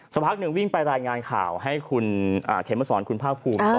สักพักหนึ่งวิ่งไปรายงานข่าวให้คุณเขมสอนคุณภาคภูมิ